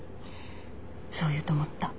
そう言うと思った。